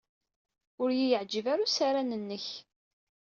Ur iyi-yeɛjib ara usaran-nnek.